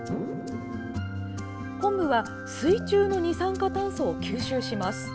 こんぶは水中の二酸化炭素を吸収します。